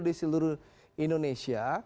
di seluruh indonesia